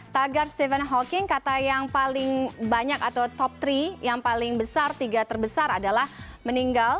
tagar stephen hawking kata yang paling banyak atau top tiga yang paling besar tiga terbesar adalah meninggal